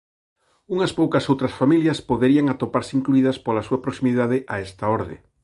Unhas poucas outras familias poderían atoparse incluídas pola súa proximidade a esta orde.